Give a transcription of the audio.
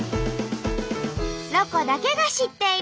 「ロコだけが知っている」。